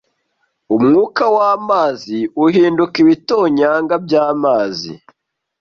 Umwuka wamazi uhinduka ibitonyanga byamazi